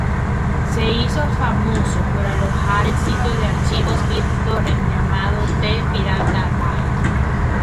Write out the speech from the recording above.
Se hizo famoso por alojar el sitio de archivos BitTorrent llamado The Pirate Bay.